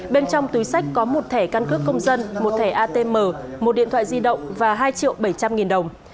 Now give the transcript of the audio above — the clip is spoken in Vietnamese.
bên trong túi sách có một thẻ căn cước công dân một thẻ atm một điện thoại di động và hai triệu bảy trăm linh nghìn đồng